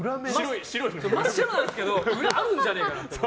真っ白なんですけど裏あるんじゃねえかなって。